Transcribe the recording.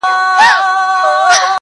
په تو پک نه سي قلم ته دعا وکړﺉ.